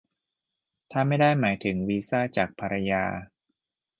ถ้าไม่ได้หมายถึงวีซ่าจากภรรยา